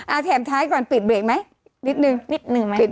อ่าแถมท้ายก่อนปิดเบรกไหมนิดหนึ่งนิดหนึ่งไหมปิดไหมคะ